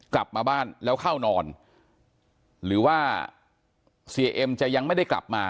กลับมาบ้านแล้วเข้านอนหรือว่าเสียเอ็มจะยังไม่ได้กลับมา